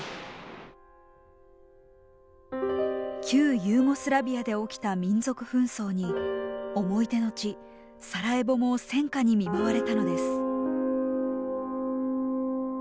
旧ユーゴスラビアで起きた民族紛争に思い出の地サラエボも戦禍に見舞われたのです。